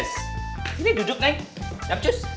sini duduk nek siap cus